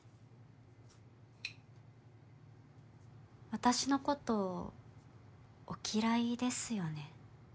私のことお嫌いですよね？